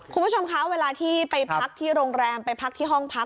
คุณผู้ชมคะเวลาที่ไปพักที่โรงแรมไปพักที่ห้องพัก